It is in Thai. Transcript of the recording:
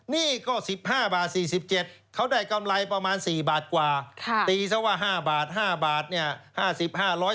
นี่ก็๑๕บาท๔๗เขาได้กำไรประมาณ๔บาทกว่าตีซะว่า๕บาท๕บาทเนี่ย